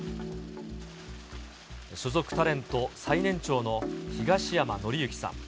所属タレント最年長の東山紀之さん。